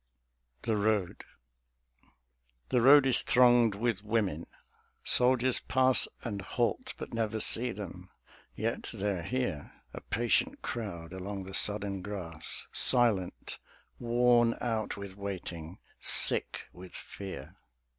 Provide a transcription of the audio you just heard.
THE ROAD The road is thronged with women; soldiers pass And halt, but never see them; yet they're here A patient crowd along the sodden grass, Silent, worn out with waiting, sick with fear.